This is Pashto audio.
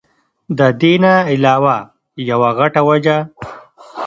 د دې نه علاوه يوه غټه وجه